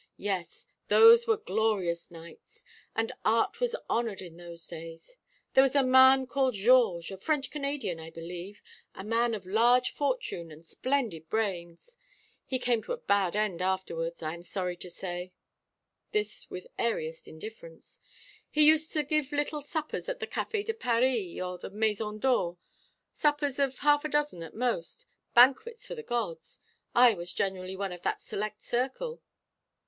Yes, those were glorious nights, and art was honoured in those days. There was a man called Georges, a French Canadian, I believe; a man of large fortune and splendid brains he came to a bad end afterwards, I am sorry to say" this with airiest indifference. "He used to give little suppers at the Café de Paris or the Maison d'Or, suppers of half a dozen at most banquets for the gods. I was generally one of that select circle."